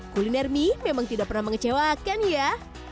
kuliner mie memang tidak pernah mengecewakan ya